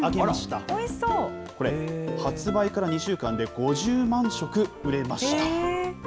これ、発売から２週間で５０万食売れました。